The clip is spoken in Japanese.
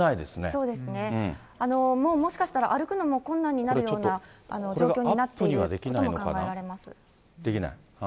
そうですね、もうもしかしたら歩くのも困難になるような状況になっていることこれ、アップにはできないかな。